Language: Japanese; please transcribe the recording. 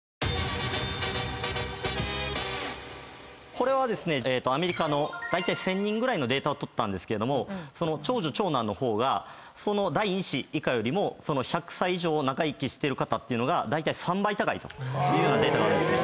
これはアメリカの１，０００人ぐらいのデータを取ったんですけども長女長男の方が第一子以下よりも１００歳以上長生きしてる方っていうのがだいたい３倍高いというようなデータがあるんです。